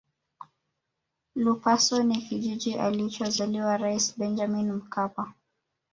lupaso ni kijiji alichozaliwa rais benjamin mkapa